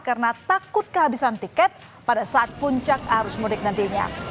karena takut kehabisan tiket pada saat puncak arus mudik nantinya